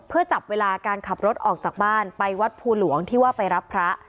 เพื่อจับเวลาการขับรถออกจากบ้านไปวัดภูหลวงที่ว่าไปรับพระ